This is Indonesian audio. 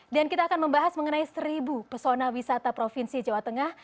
dan kita akan membahas mengenai seribu pesona wisata provinsi jawa tengah